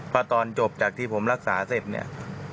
เพราะตอนจบจากที่ผมรักษาเสร็จเนี่ย